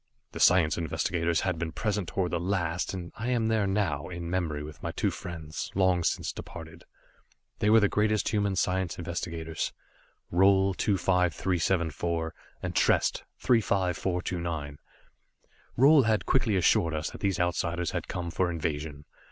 The science investigators had been present toward the last, and I am there now, in memory with my two friends, long since departed. They were the greatest human science investigators Roal, 25374 and Trest, 35429. Roal had quickly assured us that these Outsiders had come for invasion.